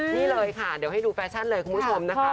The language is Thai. นี่เลยค่ะเดี๋ยวให้ดูแฟชั่นเลยคุณผู้ชมนะคะ